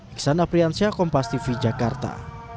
iksan aprian syakompas tv jakarta